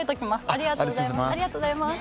ありがとうございます。